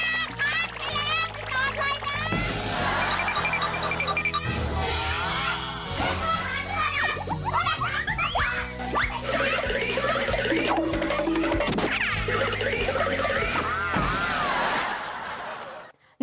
นี่ไม่ตอนเลยนะพักไปแล้วตอนเลยนะ